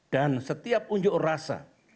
dan setiap unjuk rasa